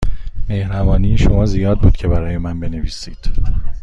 مهربانی زیاد شما بود که برای من بنویسید.